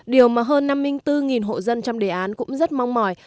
điều mà hơn năm bốn trăm linh hộ dân trong đề án cũng rất mong mỏi